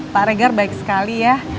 pak regar baik sekali ya